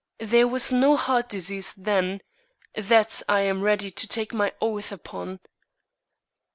There was no heart disease then; that I am ready to take my oath upon."